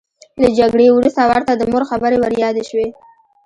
له جګړې وروسته ورته د مور خبرې وریادې شوې